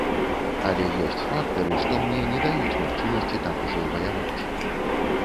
Але ёсць фактары, што мне не даюць магчымасці так ужо ваяваць.